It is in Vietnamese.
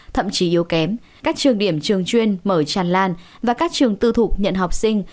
thậm chí yếu kém các trường điểm trường chuyên mở tràn lan và các trường tư thục nhận học sinh